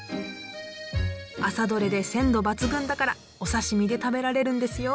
朝取れで鮮度抜群だからお刺身で食べられるんですよ。